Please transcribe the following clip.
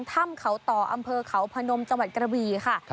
ถ้ำเขาต่ออำเภอเขาพนมจังหวัดกระบีค่ะ